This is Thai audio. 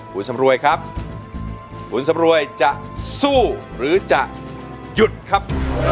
คุณสำรวยครับคุณสำรวยจะสู้หรือจะหยุดครับ